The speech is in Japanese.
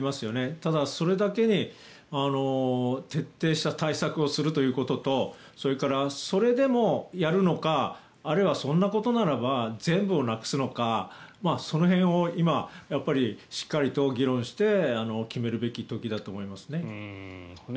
ただ、それだけに徹底した対策をするということとそれから、それでもやるのかあるいはそんなことならば全部をなくすのかその辺を今、しっかりと議論して決めるべき時だと思いますね。